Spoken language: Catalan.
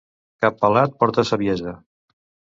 Cap pelat porta saviesa.